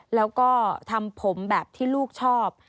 แล้วก็ทำผมแบบที่ลูกชอบ